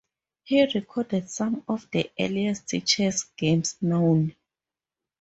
He recorded some of the earliest chess games known.